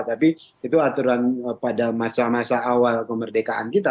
tapi itu aturan pada masa masa awal kemerdekaan kita